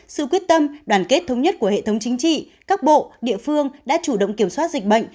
sự quyết tâm đoàn kết thống nhất của hệ thống chính trị các bộ địa phương đã chủ động kiểm soát dịch bệnh